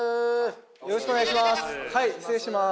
よろしくお願いします。